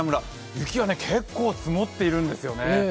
雪は結構積もっているんですよね。